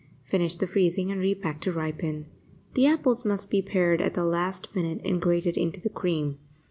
Finish the freezing, and repack to ripen. The apples must be pared at the last minute and grated into the cream.